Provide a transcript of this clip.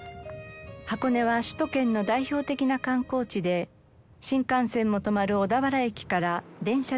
箱根は首都圏の代表的な観光地で新幹線も止まる小田原駅から電車で十数分。